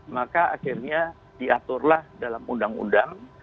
maka akhirnya diaturlah dalam undang undang